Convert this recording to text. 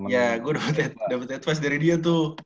ya gue dapat advice dari dia tuh